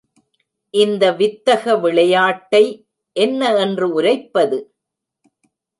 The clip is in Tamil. இந்த வித்தக விளையாட்டை என்ன என்று உரைப்பது?